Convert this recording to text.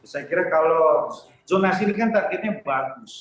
saya kira kalau zonasi ini kan targetnya bagus